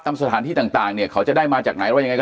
จำสถานที่ต่างต่างเนี่ยเขาจะได้มาจากไหนแล้วยังไงก็